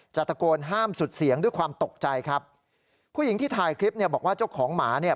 ตะโกนห้ามสุดเสียงด้วยความตกใจครับผู้หญิงที่ถ่ายคลิปเนี่ยบอกว่าเจ้าของหมาเนี่ย